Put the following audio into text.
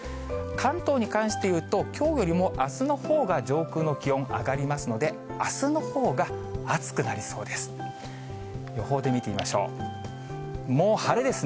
関東に関していうと、きょうよりもあすのほうが、上空の気温上がりますので、あすのほうが暑くなりそうです。